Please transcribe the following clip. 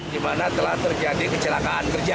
di mana telah terjadi kecelakaan kerja